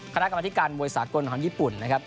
คณะกรรมธิการมวยสากลของญี่ปุ่นนะครับ